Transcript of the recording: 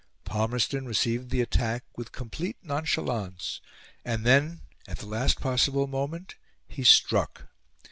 Palmerston received the attack with complete nonchalance, and then, at the last possible moment, he struck.